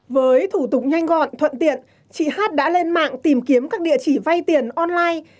với thủ tục nhanh gọn thuận tiện chị hát đã lên mạng tìm kiếm các địa chỉ vay tiền online